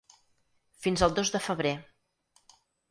Fins al dos de febrer.